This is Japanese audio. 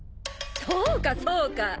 そうかそうか。